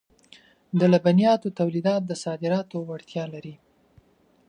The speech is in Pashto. د لبنیاتو تولیدات د صادراتو وړتیا لري.